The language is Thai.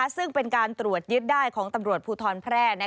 ซึ่งเป็นการตรวจยึดได้ของตำรวจภูทรแพร่